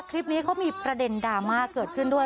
คลิปนี้เขามีประเด็นดราม่าเกิดขึ้นด้วย